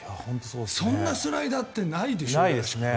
そんなスライダーってないでしょ。